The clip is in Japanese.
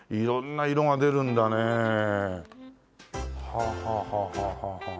はあはあはあはあはあはあ。